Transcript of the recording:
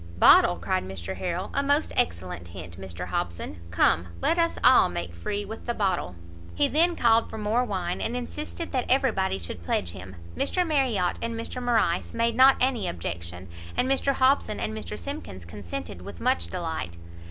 "Bottle!" cried Mr Harrel, "a most excellent hint, Mr Hobson! come! let us all make free with the bottle!" He then called for more wine, and insisted that every body should pledge him. Mr Marriot and Mr Morrice made not any objection, and Mr Hobson and Mr Simkins consented with much delight.